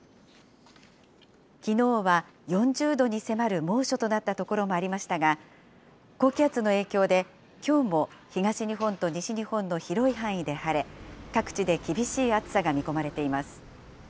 きのうは４０度に迫る猛暑となった所もありましたが、高気圧の影響で、きょうも東日本と西日本の広い範囲で晴れ、各地で厳しい暑さが見込まれています。